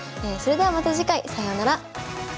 それではまた次回さようなら。